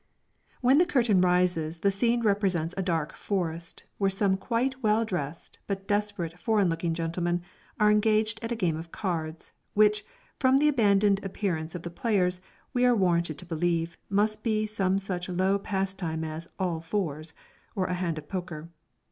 When the curtain rises the scene represents a dark forest, where some quite well dressed, but desperate, foreign looking gentlemen are engaged at a game of cards, which, from the abandoned appearance of the players, we are warranted to believe, must be some such low pastime as "all fours," or a hand at poker.